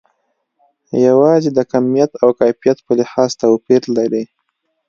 یوازې د کمیت او کیفیت په لحاظ توپیر لري.